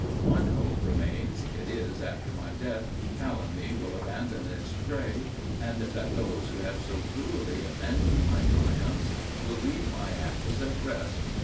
One hope remains: it is, that after my death, calumny will abandon its prey, and that those who have so cruelly avenged my triumphs, will leave my ashes at rest.